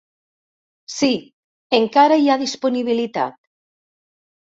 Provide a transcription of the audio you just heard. Sí, encara hi ha disponibilitat.